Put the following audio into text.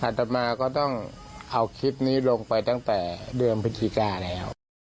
ต่อมาก็ต้องเอาคลิปนี้ลงไปตั้งแต่เดือนพฤศจิกาแล้ว